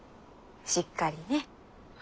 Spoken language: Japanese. しっかりね。